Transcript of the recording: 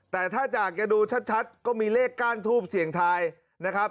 แต่ถ้าจากจะดูชัดก็มีเลขก้านทูบเสี่ยงทายนะครับ